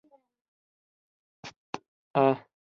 د نابرابرۍ روایت تر پوښتنې لاندې دی.